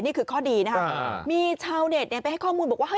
นี่คือข้อดีนะครับมีชาวเน็ตไปให้ข้อมูลบอกว่า